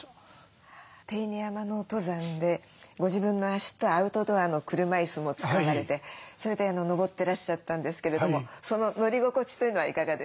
手稲山の登山でご自分の足とアウトドアの車いすも使われてそれで登ってらっしゃったんですけれどもその乗り心地というのはいかがですか？